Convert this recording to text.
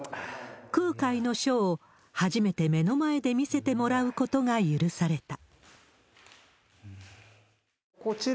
空海の書を初めて目の前で見せてもらうことが許された。